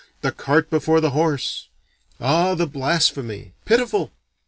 The cart before the horse! Ah, the blasphemy (pitiful!)